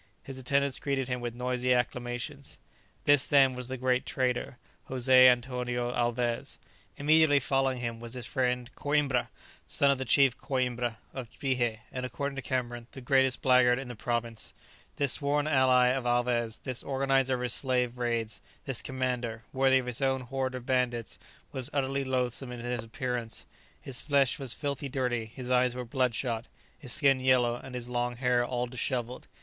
His attendants greeted him with noisy acclamations. This, then, was the great trader, José Antonio Alvez. Immediately following him was his friend Coïmbra, son of the chief Coïmbra of Bihé, and, according to Cameron, the greatest blackguard in the province. This sworn ally of Alvez, this organizer of his slave raids, this commander, worthy of his own horde of bandits, was utterly loathsome in his appearance, his flesh was filthily dirty, his eyes were bloodshot, his skin yellow, and his long hair all dishevelled.